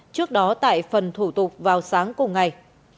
trước đó tại phần thủ tục vào sáng cùng ngày